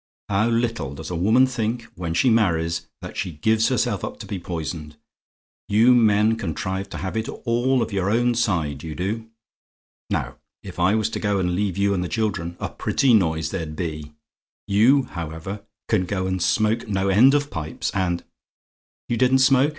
How little does a woman think, when she marries, that she gives herself up to be poisoned! You men contrive to have it all of your own side, you do. Now if I was to go and leave you and the children, a pretty noise there'd be! You, however, can go and smoke no end of pipes and YOU DIDN'T SMOKE?